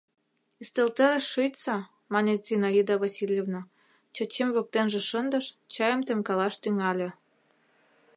— Ӱстелтӧрыш шичса, — мане Зинаида Васильевна, Чачим воктенже шындыш, чайым темкалаш тӱҥале.